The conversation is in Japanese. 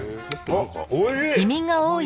おいしい！